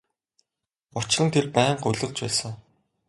Учир нь тэр байнга улирч байсан.